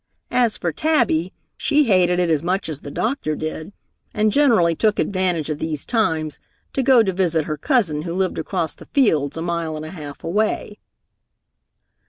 As for Tabby, she hated it as much as the doctor did, and generally took advantage of these times to go to visit her cousin who lived across the fields a mile and a half away.